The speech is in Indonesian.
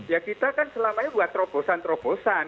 ya kita kan selamanya buat terobosan terobosan